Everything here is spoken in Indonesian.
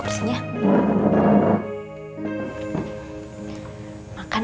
masih belasan tahun